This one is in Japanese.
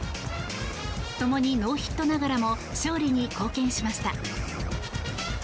ともにノーヒットながらも勝利に貢献しました。